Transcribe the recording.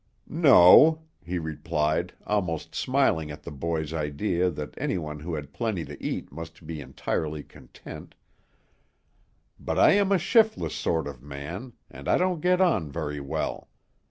"No," he replied, almost smiling at the boy's idea that anyone who had plenty to eat must be entirely content; "but I am a shiftless sort of a man, and I don't get on very well.